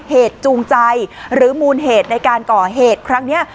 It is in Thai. เหตุจูงใจหรือมูลเหตุในการก่อเหตุครั้งนี้